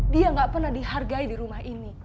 dia gak pernah dihargai di rumah ini